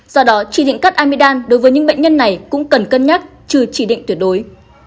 do đó chỉ định cắt amidam đối với những bệnh nhân này cũng cần cân nhắc trừ chỉ định tuyệt đối